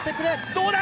どうだ！